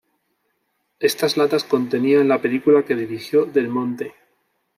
Estas latas contenían la película que dirigió Del Monte.